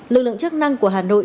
lực lượng chức năng của hà nội